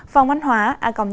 một ngày hội gia đình